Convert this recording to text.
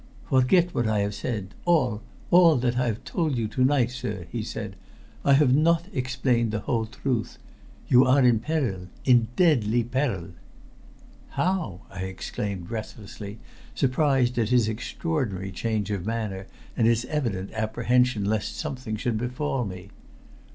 "Forget what I have said all all that I have told you to night, sir," he said. "I have not explained the whole truth. You are in peril in deadly peril!" "How?" I exclaimed breathlessly, surprised at his extraordinary change of manner and his evident apprehension lest something should befall me.